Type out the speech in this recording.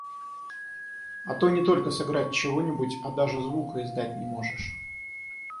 А то, не только сыграть чего-нибудь, а даже звука издать не можешь!